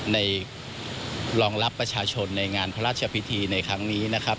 รองรับประชาชนในงานพระราชพิธีในครั้งนี้นะครับ